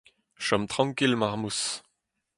Chom trankil marmouz